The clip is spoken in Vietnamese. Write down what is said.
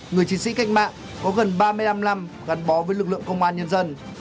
người chiến sĩ cách mạng có gần ba mươi năm năm gắn bó với lực lượng công an nhân dân